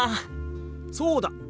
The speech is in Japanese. そうだ！